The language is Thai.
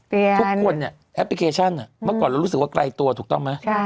ทุกคนเนี่ยแอปพลิเคชันเมื่อก่อนเรารู้สึกว่าไกลตัวถูกต้องไหม